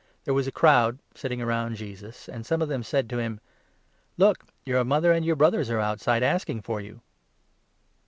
There was a crowd sitting round Jesus, and some of 32 them said to him :" Look, your mother and your brothers are outside, asking for you."